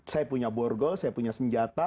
saya punya borgol saya punya senjata